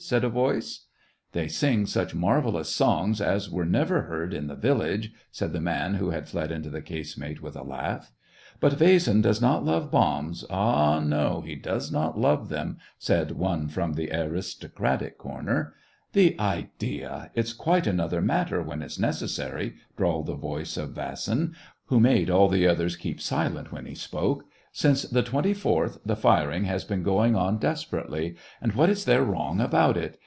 ^" said a voice. " They sing such marvellous songs as were never 230 SEVASTOPOL IN AUGUST. heard in the village," said the man who had fled into the casemate, with a laugh. "But Vasin does not love bombs — ah, no, he does not love them!" said one from the aristo cratic corner. '' The idea ! It's quite another matter when it's necessary," drawled the voice of Vasin, who made all the others keep silent when he spoke :*' since the 24th, the firing has been going on desperately ; and what is there wrong about it